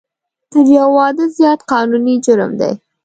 تر یو واده زیات قانوني جرم دی